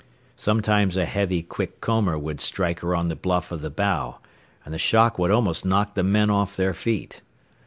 Sometimes a heavy, quick comber would strike her on the bluff of the bow, and the shock would almost knock the men off their feet.